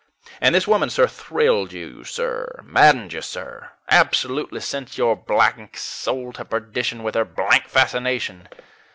And this woman, sir, thrilled you, sir; maddened you, sir; absolutely sent your blank soul to perdition with her blank fascination!